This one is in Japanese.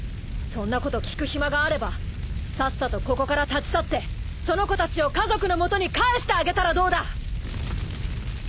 そんなこと聞く暇があればさっさとここから立ち去ってその子たちを家族の元に返してあげたらどうだ。